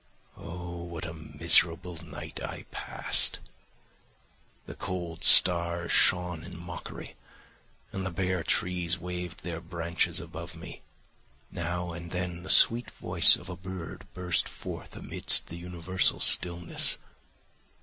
Oh! What a miserable night I passed! The cold stars shone in mockery, and the bare trees waved their branches above me; now and then the sweet voice of a bird burst forth amidst the universal stillness.